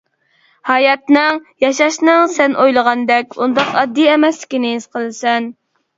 ھاياتنىڭ، ياشاشنىڭ سەن ئويلىغاندەك ئۇنداق ئاددىي ئەمەسلىكىنى ھېس قىلىسەن.